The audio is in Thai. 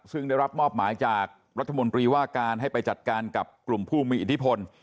ซึ่งได้รับมอบหมายจากรัฐมนตรีว่าการให้ไปจัดการกับกลุ่มผู้มีอิทธิพล